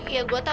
ya gua tau